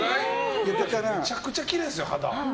めちゃくちゃきれいですよ、肌。